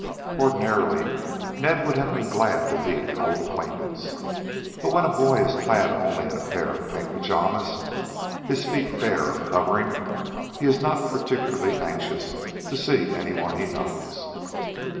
Ordinarily Ned would have been glad to meet an old acquaintance, but when a boy is clad only in a pair of pink pajamas, his feet bare of covering, he is not particularly anxious to see anyone he knows.